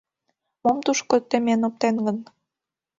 Мом тушко темен оптен гын?